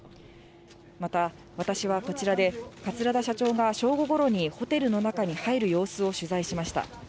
また、私はこちらで、桂田社長が正午ごろにホテルの中に入る様子を取材しました。